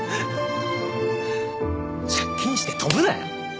借金して飛ぶなよ。